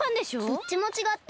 どっちもちがった。